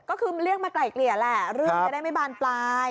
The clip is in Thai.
ก็คือเรียกมาไกล่เกลี่ยแหละเรื่องจะได้ไม่บานปลาย